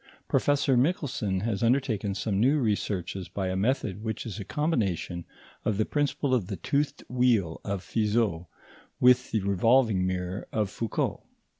Professor Michelson has undertaken some new researches by a method which is a combination of the principle of the toothed wheel of Fizeau with the revolving mirror of Foucault.